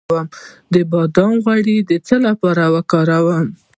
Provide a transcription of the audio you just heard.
د بادام غوړي د څه لپاره وکاروم؟